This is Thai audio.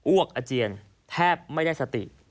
วกอาเจียนแทบไม่ได้สติ